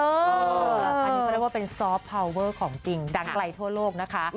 อันนี้เขาเรียกว่าเป็นซอฟต์พาวเวอร์ของจริงดังไกลทั่วโลกนะคะ